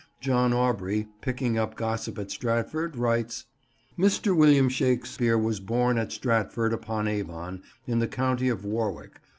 John Aubrey, picking up gossip at Stratford, writes— "Mr. William Shakespear was borne at Stratford upon Avon in the county of Warwick.